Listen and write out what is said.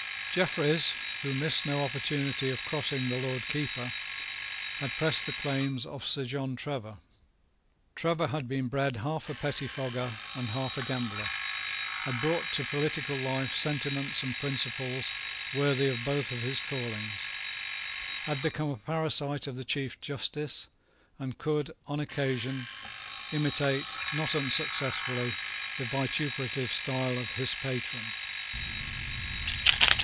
Jeffreys, who missed no opportunity of crossing the Lord Keeper, had pressed the claims of Sir John Trevor. Trevor had been bred half a pettifogger and half a gambler, had brought to political life sentiments and principles worthy of both his callings, had become a parasite of the Chief Justice, and could, on occasion, imitate, not unsuccessfully, the vituperative style of his patron.